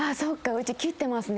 うち切ってますね。